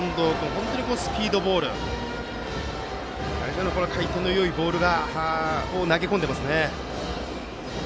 本当にスピードもあって回転のよいボールを投げ込んでいますね。